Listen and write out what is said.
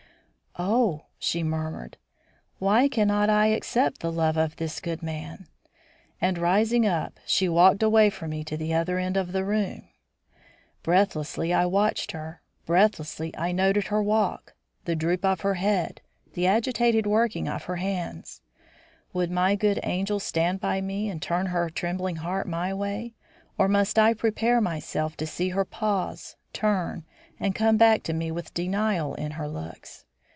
"Oh!" she murmured, "why cannot I accept the love of this good man?" And, rising up, she walked away from me to the other end of the room. Breathlessly I watched her; breathlessly I noted her walk, the droop of her head, the agitated working of her hands. Would my good angel stand by me and turn her trembling heart my way, or must I prepare myself to see her pause, turn, and come back to me with denial in her looks?